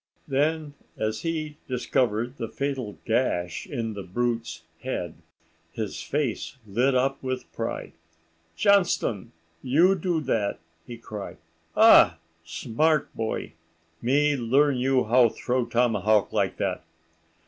Then as he discovered the fatal gash in the brute's head, his face lit up with pride. "Johnston, you do that!" he cried. "Ah! smart boy. Me learn you how throw tomahawk like that."